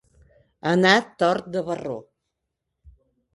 Anar tort de barró.